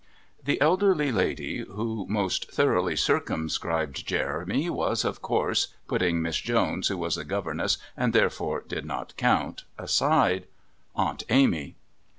The elderly lady who most thoroughly circumscribed Jeremy was, of course putting Miss Jones, who was a governess and therefore did not count, aside Aunt Amy.